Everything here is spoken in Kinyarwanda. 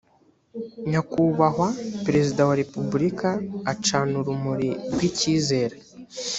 nyakubahwa perezida wa repubulika acana urumuri rw’icyizere